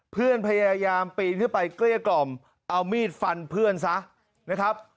เพื่อนพยายามปีนขึ้นไปเกลี้ยกล่อมเอามีดฟันเพื่อนซะนะครับ